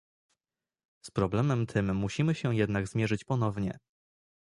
Z problemem tym musimy się jednak zmierzyć ponownie